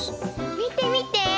みてみて！